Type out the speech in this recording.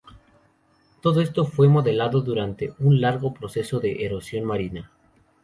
Todo esto fue moldeado durante un largo proceso de erosión marina.